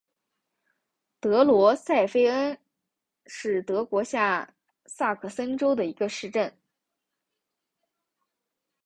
格罗塞费恩是德国下萨克森州的一个市镇。